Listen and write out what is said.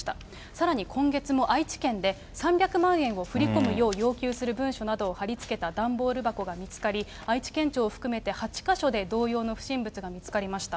さらに今月も愛知県で、３００万円を振り込むよう要求する文書などを貼りつけた段ボール箱が見つかり、愛知県庁含めて８か所で同様の不審物が見つかりました。